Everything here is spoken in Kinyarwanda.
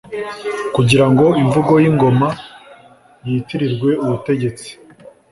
Kugira ngo Imvugo y'ingoma yitirirwe ''Ubutegetsi'',